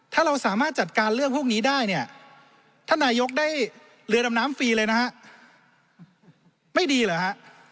ถ้าเราสามารถจัดการเรื่องพวกนี้ได้เนี่ยท่านนายกได้เรือดำน้ำฟรีเลยนะฮะไม่ดีเหรอฮะ